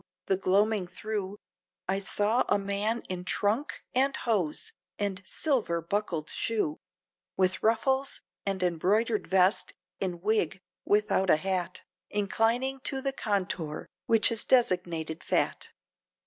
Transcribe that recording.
the gloaming thro' I saw a man in trunk and hose, and silver buckled shoe, With ruffles and embroidered vest, in wig without a hat, Inclining to the contour, which is designated fat.